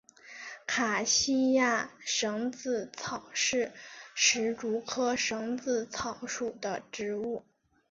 卡西亚蝇子草是石竹科蝇子草属的植物。